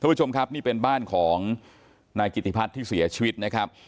ผู้ชมครับนี่เป็นบ้านของนายกิติพัฒน์ที่เสียชีวิตนะครับ